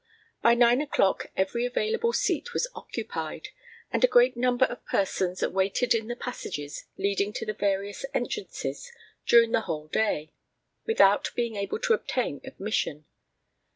By nine o'clock every available seat was occupied, and a great number of persons waited in the passages leading to the various entrances during the whole day, without being able to obtain admission.